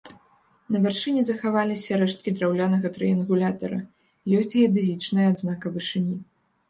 На вяршыні захаваліся рэшткі драўлянага трыянгулятара, ёсць геадэзічная адзнака вышыні.